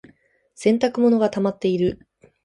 洗濯物がたまっている。